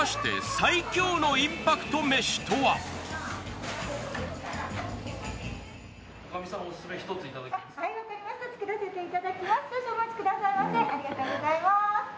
ありがとうございます。